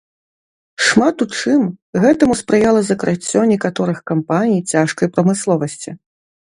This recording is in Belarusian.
Шмат у чым гэтаму спрыяла закрыццё некаторых кампаній цяжкай прамысловасці.